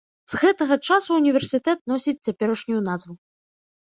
З гэтага часу ўніверсітэт носіць цяперашнюю назву.